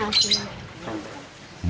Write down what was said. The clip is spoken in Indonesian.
masuk ke dalam